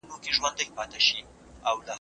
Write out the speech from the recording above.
ولي افغان سوداګر کیمیاوي سره له ایران څخه واردوي؟